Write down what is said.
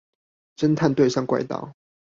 偵探對上怪盜